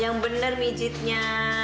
yang bener mijitnya